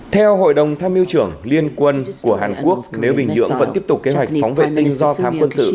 theo hội đồng tham mưu trưởng liên quân của hàn quốc nếu bình nhưỡng vẫn tiếp tục kế hoạch phóng vệ tinh do tham quân sự